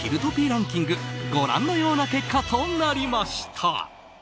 ランキングご覧のような結果となりました。